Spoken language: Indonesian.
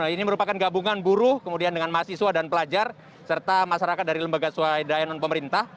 ini merupakan gabungan buruh kemudian dengan mahasiswa dan pelajar serta masyarakat dari lembaga suadaya non pemerintah